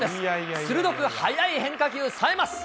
鋭く速い変化球、さえます。